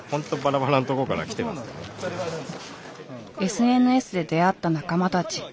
ＳＮＳで出会った仲間たち。